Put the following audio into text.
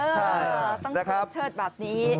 เออต้องเชิดแบบนี้